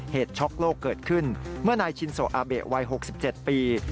ช็อกโลกเกิดขึ้นเมื่อนายชินโซอาเบะวัย๖๗ปี